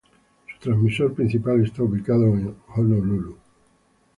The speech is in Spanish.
Su transmisor principal está ubicado en Honolulu.